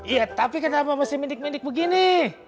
iya tapi kenapa masih mendik mendik begini